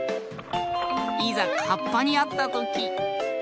いざカッパにあったとき！